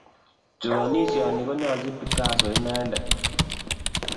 Choranisio ni konyalchin Picasso inendet